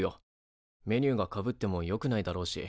メニューがかぶってもよくないだろうし。